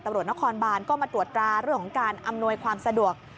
ตำรวจนครบานก็มาตรวจตราเรื่องของการอำนวยความสะดวก